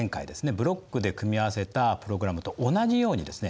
ブロックで組み合わせたプログラムと同じようにですね